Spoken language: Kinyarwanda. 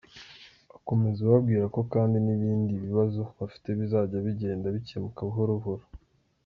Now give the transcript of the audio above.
Akomeza ababwira ko kandi n’ibindi bibazo bafite bizajya bigenda bikemuka buhoro buhoro.